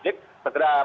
dan segera mandil